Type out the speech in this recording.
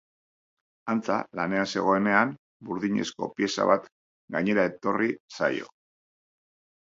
Antza, lanean zegoenean, burdinezko pieza bat gainera etorri zaio.